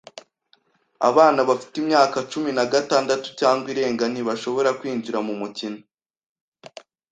Abana bafite imyaka cumi nagatandatu cyangwa irenga ntibashobora kwinjira mumikino.